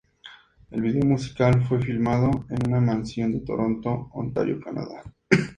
El vídeo musical fue filmado en una mansión de Toronto, Ontario, Canadá.